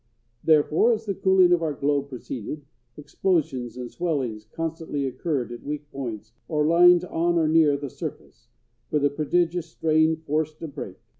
Therefore, as the cooling of our globe proceeded, explosions and swellings constantly occurred at weak points or lines on or near the surface, where the prodigious strain forced a break.